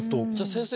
先生